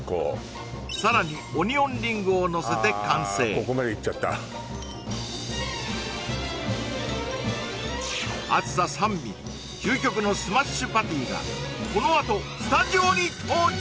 さらにオニオンリングをのせて完成ここまでいっちゃった究極のスマッシュパティがこのあとスタジオに登場